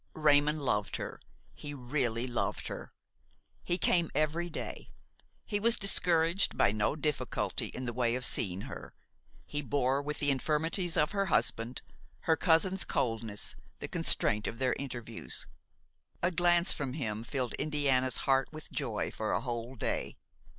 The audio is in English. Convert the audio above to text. Raymon loved her, he really loved her. He came every day ; he was discouraged by no difficulty in the way of seeing her, he bore with the infirmities of her husband, her cousin's coldness, the constraint of their interviews. A glance from him filled Indiana's heart with joy for a whole day.